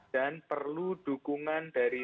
dan perlu dukungan dari